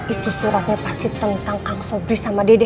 itu suratnya pasti tentang kang sobris sama dede